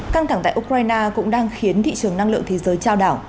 căng thẳng tại ukraine cũng đang khiến thị trường năng lượng thế giới trao đảo